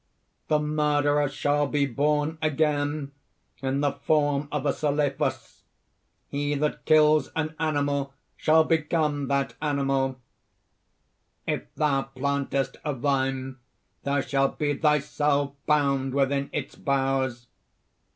The murderer shall be born again in the form of a celephus; he that kills an animal shall become that animal; if thou plantest a vine, thou shalt be thyself bound within its boughs.